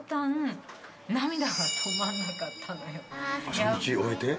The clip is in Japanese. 初日終えて？